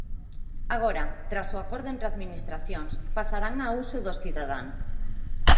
Agora, tras o acordo entre administracións, pasarán a uso dos cidadáns.